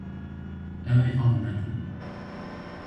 Ew ê av nedin.